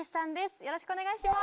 よろしくお願いします。